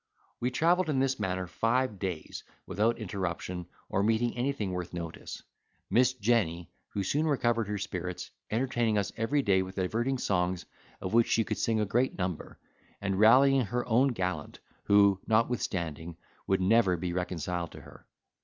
We travelled in this manner five days, without interruption or meeting anything worth notice: Miss Jenny, who soon recovered her spirits, entertaining us every day with diverting songs, of which she could sing a great number; and rallying her own gallant, who, notwithstanding, would never be reconciled to her.